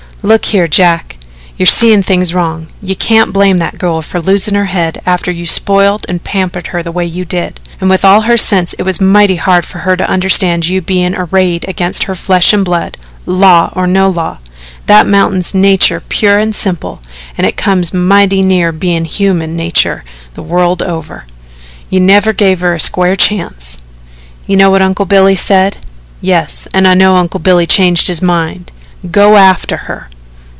"Look here, Jack, you're seein' things wrong. You can't blame that girl for losing her head after you spoiled and pampered her the way you did. And with all her sense it was mighty hard for her to understand your being arrayed against her flesh and blood law or no law. That's mountain nature pure and simple, and it comes mighty near bein' human nature the world over. You never gave her a square chance." "You know what Uncle Billy said?" "Yes, an' I know Uncle Billy changed his mind. Go after her."